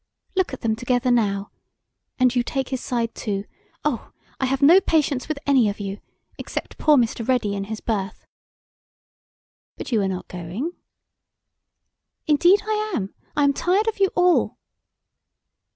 Look at them together now! And you take his side, too; oh! I have no patience with any of you except poor Mr. Ready in his berth." "But you are not going." "Indeed I am. I am tired of you all."